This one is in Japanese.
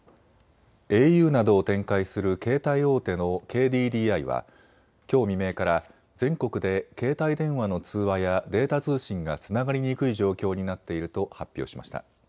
ａｕなどを展開する携帯大手のＫＤＤＩはきょう未明から全国で携帯電話の通話やデータ通信がつながりにくい状況になっていると発表しました。